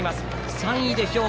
３位で兵庫。